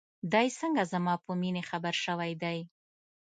دى څنگه زما په مينې خبر سوى دى.